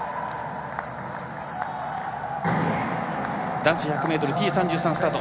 男子１００ｍＴ３３スタート。